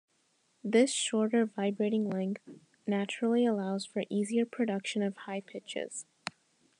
This shorter vibrating length naturally allows for easier production of high pitches.